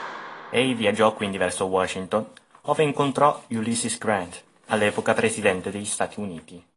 Egli viaggiò quindi verso Washington ove incontrò Ulysses Grant, all'epoca Presidente degli Stati Uniti.